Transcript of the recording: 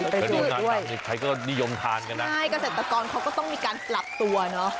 ไปดูด้วยใครก็นิยมทานกันนะใช่กระเศรษฐกรเขาก็ต้องมีการกลับตัวเนอะ